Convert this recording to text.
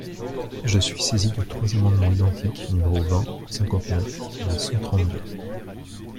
Je suis saisi de trois amendements identiques, numéros vingt, cinquante-neuf et cent trente-deux.